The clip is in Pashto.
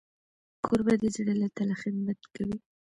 کوربه د زړه له تله خدمت کوي.